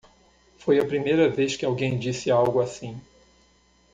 Foi a primeira vez que alguém disse algo assim.